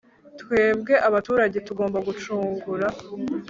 Twebwe abaturage tugomba gucungura